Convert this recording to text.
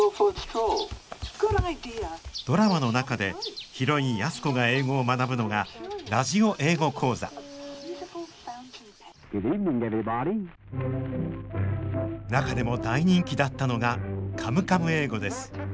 ドラマの中でヒロイン安子が英語を学ぶのがラジオ英語講座中でも大人気だったのが「カムカム英語」です。